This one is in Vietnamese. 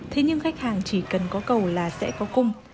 thế nhưng khách hàng chỉ cần có cầu là sẽ có cung